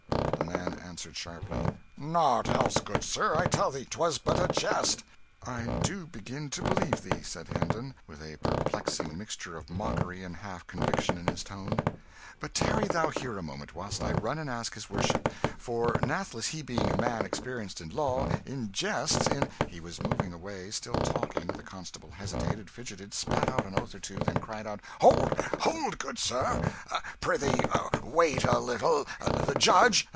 The man answered sharply "Nought else, good sir I tell thee 'twas but a jest." "I do begin to believe thee," said Hendon, with a perplexing mixture of mockery and half conviction in his tone; "but tarry thou here a moment whilst I run and ask his worship for nathless, he being a man experienced in law, in jests, in " He was moving away, still talking; the constable hesitated, fidgeted, spat out an oath or two, then cried out "Hold, hold, good sir prithee wait a little the judge!